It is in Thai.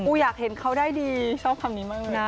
อยากเห็นเขาได้ดีชอบคำนี้มากนะ